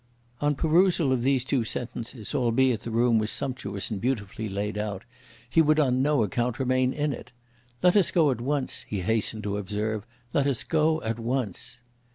On perusal of these two sentences, albeit the room was sumptuous and beautifully laid out, he would on no account remain in it. "Let us go at once," he hastened to observe, "let us go at once."